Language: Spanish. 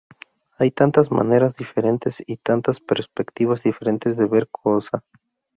Hay tantas maneras diferentes y tantas perspectivas diferentes de ver cosa.